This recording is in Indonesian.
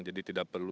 jadi tidak perlu